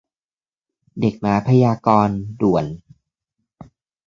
เด็กหมาพยากรณ์ ด่วน !